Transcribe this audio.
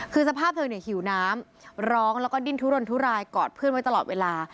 คือสภาพเธอเนี่ยหิวน้ำร้องแล้วก็ดิ้นทุรนทุรายกอดเพื่อนไว้ตลอดเวลา